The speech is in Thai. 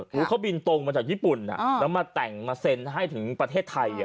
เขาบินตรงมาจากญี่ปุ่นแล้วมาแต่งมาเซ็นให้ถึงประเทศไทย